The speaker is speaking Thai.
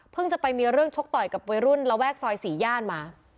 จะไปมีเรื่องชกต่อยกับวัยรุ่นระแวกซอย๔ย่านมา